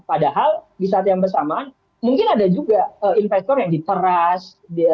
padahal di saat yang bersamaan mungkin ada juga investor yang diteras